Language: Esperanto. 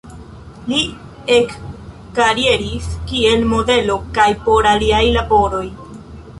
Li ekkarieris kiel modelo kaj por aliaj laboroj.